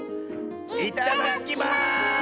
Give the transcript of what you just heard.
いただきます！